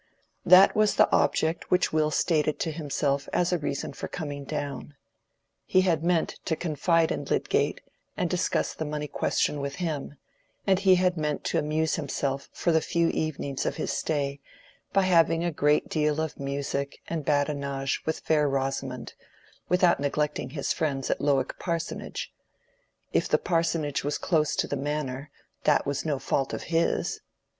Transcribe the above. That was the object which Will stated to himself as a reason for coming down. He had meant to confide in Lydgate, and discuss the money question with him, and he had meant to amuse himself for the few evenings of his stay by having a great deal of music and badinage with fair Rosamond, without neglecting his friends at Lowick Parsonage:—if the Parsonage was close to the Manor, that was no fault of his.